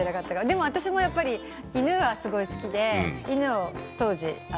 でも私もやっぱり犬がすごい好きで犬を当時。